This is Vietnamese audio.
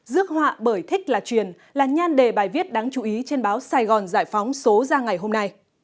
rước họa bởi thích là truyền là nhan đề bài viết đáng chú ý trên báo sài gòn giải phóng số ra ngày hôm nay